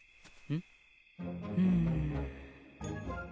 うん。